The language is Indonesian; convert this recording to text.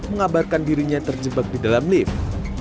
mengabarkan dirinya terjebak di dalam lift